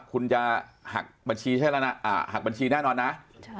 คุณจะหักบัญชีใช่แล้วนะหักบัญชีแน่นอนนะ